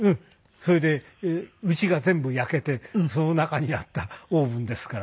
それで家が全部焼けてその中にあったオーブンですからね